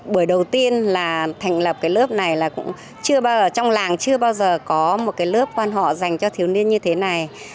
buổi đầu tiên là thành lập cái lớp này là cũng chưa bao giờ trong làng chưa bao giờ có một cái lớp quan họ dành cho thiếu niên như thế này